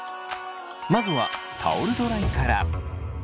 まずはタオルドライから。